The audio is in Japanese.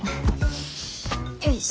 よいしょ。